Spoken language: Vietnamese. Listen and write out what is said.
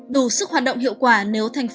đủ sức hoạt động hiệu quả